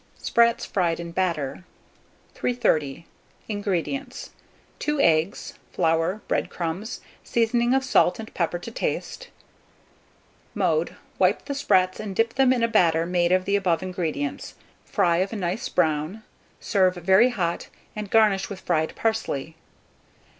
SPRATS FRIED IN BATTER. 330. INGREDIENTS. 2 eggs, flour, bread crumbs; seasoning of salt and pepper to taste. Mode. Wipe the sprats, and dip them in a batter made of the above ingredients. Fry of a nice brown, serve very hot, and garnish with fried parsley.